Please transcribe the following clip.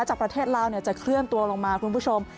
จากประเทศลาวจะเคลื่อนตัวลงมาคุณผู้ชม